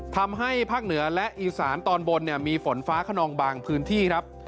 ทำให้ภาคเหนือและอีสานตอนบนมีฝนฟ้าขนองบางพื้นที่ครับ